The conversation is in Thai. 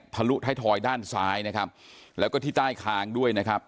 ถลุท้ายถอยด้านซ้ายแล้วก็ที่ใต้คางด้วย